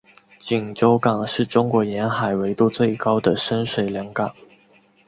锦州港是中国沿海纬度最高的深水良港。